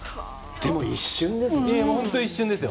でも、一瞬ですよ。